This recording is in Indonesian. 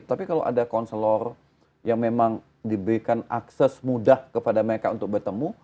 tapi kalau ada konselor yang memang diberikan akses mudah kepada mereka untuk bertemu